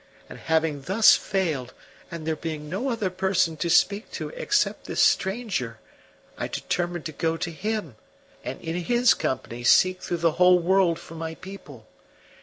And having thus failed, and there being no other person to speak to except this stranger, I determined to go to him, and in his company seek through the whole world for my people.